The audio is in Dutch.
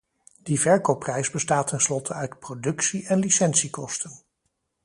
Die verkoopprijs bestaat tenslotte uit productie- en licentiekosten.